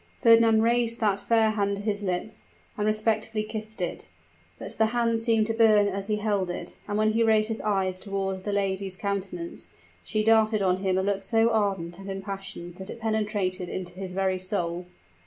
Fernand raised that fair hand to his lips, and respectfully kissed it; but the hand seemed to burn as he held it, and when he raised his eyes toward the lady's countenance, she darted on him a look so ardent and impassioned that it penetrated into his very soul.